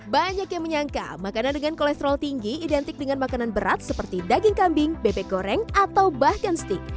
banyak yang menyangka makanan dengan kolesterol tinggi identik dengan makanan berat seperti daging kambing bebek goreng atau bahkan stik